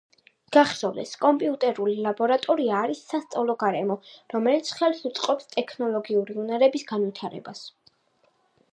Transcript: გახსოვდეს! კომპიუტერული ლაბორატორია არის სასწავლო გარემო, რომელიც ხელს უწყობს ტექნოლოგიური უნარების განვითარებას.